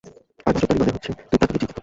আর নজরদারি মানে হচ্ছে তুই তাকে নিয়ে চিন্তিত।